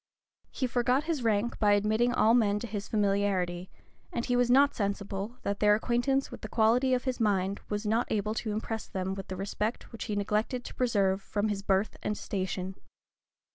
He forgot his rank by admitting all men to his familiarity; and he was not sensible, that their acquaintance with the qualities of his mind was not able to impress them with the respect which he neglected to preserve from his birth and station.